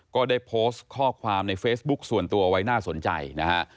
ก็ได้โพสต์ข้อความในเฟซบุ๊คส่วนตัวไว้น่าสนใจนะฮะ